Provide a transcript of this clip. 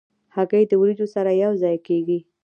هګۍ د وریجو سره یو ځای کېږي.